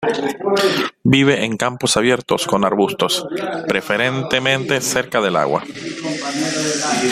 Vive en en campos abiertos con arbustos, preferentemente cerca del agua.